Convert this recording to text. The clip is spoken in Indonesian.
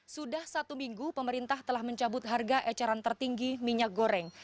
sudah satu minggu pemerintah telah mencabut harga eceran tertinggi minyak goreng